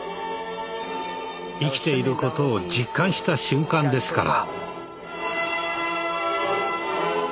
生きていることを実感した瞬間ですから。